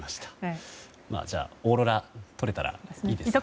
じゃあオーロラ撮れたらいいですね。